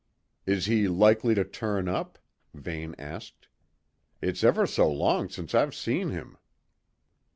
"Is he likely to turn up?" Vane asked. "It's ever so long since I've seen him."